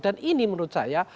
dan ini menurut saya